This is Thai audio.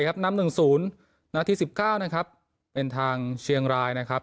หน้าที่สิบเก้านะครับเป็นทางเชียงรายนะครับ